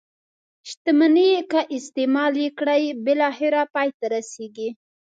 شتمني که استعمال یې کړئ بالاخره پای ته رسيږي.